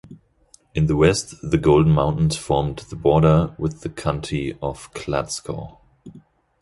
In the west the Golden Mountains formed the border with the County of Kladsko.